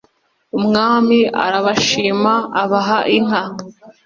umwami arabashima abaha inka